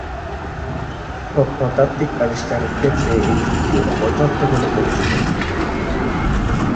প্রত্নতাত্ত্বিক আবিষ্কারের ক্ষেত্রে এই যুগটি অপর্যাপ্ত বলে পরিচিত।